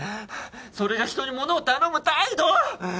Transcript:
それが人にものを頼む態度？